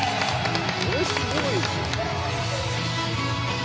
これすごいなあ。